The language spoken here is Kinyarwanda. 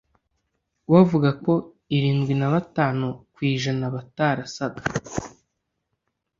We avuga ko irindwi nabatanu kwijana batarasaga